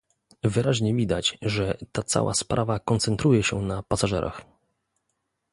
Wyraźnie widać, że ta cała sprawa koncentruje się na pasażerach